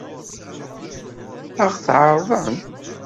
Ad ɣ-t-ɛeṛḍen?